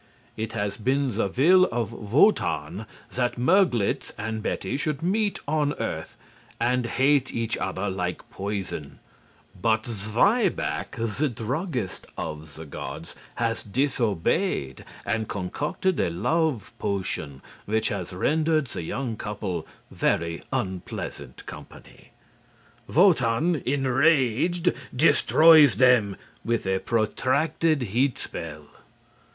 It has been the will of Wotan that Merglitz and Betty should meet on earth and hate each other like poison, but Zweiback, the druggist of the gods, has disobeyed and concocted a love potion which has rendered the young couple very unpleasant company. Wotan, enraged, destroys them with a protracted heat spell.